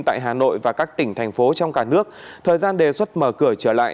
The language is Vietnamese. tại hà nội và các tỉnh thành phố trong cả nước thời gian đề xuất mở cửa trở lại